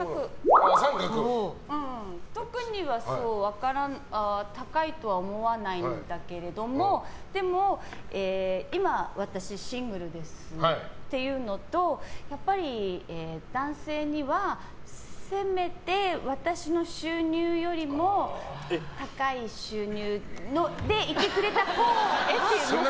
特には高いとは思わないんだけれどもでも、今私、シングルですっていうのとやっぱり男性にはせめて私の収入よりも高い収入でいてくれたほうが。